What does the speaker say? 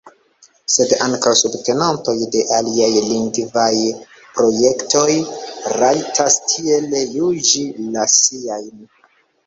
Sed ankaŭ subtenantoj de aliaj lingvaj projektoj rajtas tiel juĝi la siajn.